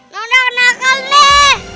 nona kena akal nih